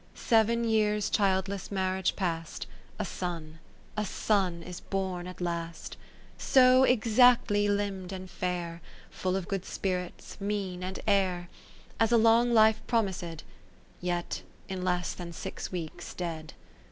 Seven years childless marriage past, A Son, a Son is born at last : So exactly limb'd and fair. Full of good spirits, mien, and air, As a long life promised, Yet, in less than six weeks dead.